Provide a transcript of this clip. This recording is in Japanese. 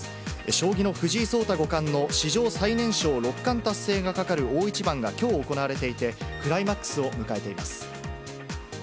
将棋の藤井聡太五冠の史上最年少六冠達成がかかる大一番がきょう行われていて、クライマックスを迎えています。